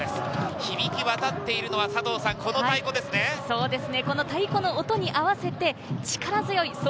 響き渡ってるのはこの太鼓ですね。